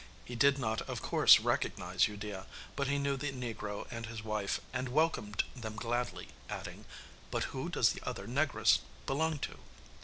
He did not of course recognise Udea, but he knew the negro and his wife, and welcomed them gladly, adding, 'But who does the other negress belong to?